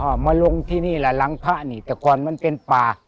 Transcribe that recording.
ก็มาลงที่นี่แหละหลังพระนี่แต่ก่อนมันเป็นป่า